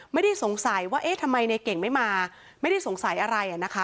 ไม่ได้สงสัยว่าเอ๊ะทำไมในเก่งไม่มาไม่ได้สงสัยอะไรนะคะ